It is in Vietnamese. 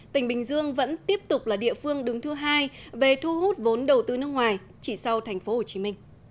tỉnh bình dương vẫn tiếp tục là địa phương đứng thứ hai về thu hút vốn đầu tư nước ngoài chỉ sau tp hcm